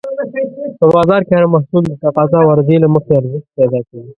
په بازار کې هر محصول د تقاضا او عرضې له مخې ارزښت پیدا کوي.